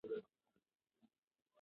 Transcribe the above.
د ټولنې روغتیا د افکارو په روغتیا ده.